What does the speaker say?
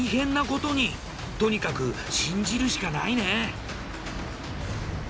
とにかく信じるしかないね。